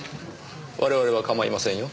我々は構いませんよ。